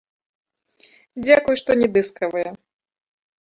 Дзякуй, што не дыскавыя.